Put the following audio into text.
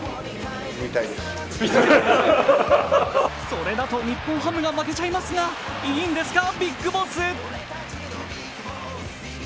それだと日本ハムが負けちゃいますが、いいんですか？